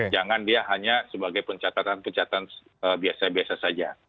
jangan dia hanya sebagai pencatatan pencatatan biasa biasa saja